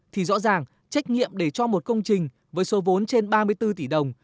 thì rõ ràng trách nhiệm để cho một công trình với số vốn trên ba mươi bốn tỷ đồng